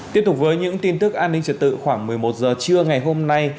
tiếp tục với những tin tức an ninh trật tự khoảng một mươi một h trưa ngày hôm nay